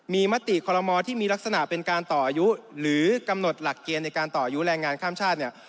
มีมติคอลโมที่มีลักษณะเป็นการต่ออายุหรือกำหนดหลักเกณฑ์ในการต่ออายุแรงงานข้ามชาติเนี่ย